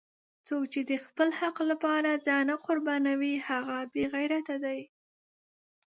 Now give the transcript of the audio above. څوک چې د خپل حق لپاره ځان نه قربانوي هغه بېغیرته دی!